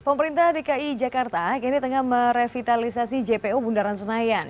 pemerintah dki jakarta kini tengah merevitalisasi jpo bundaran senayan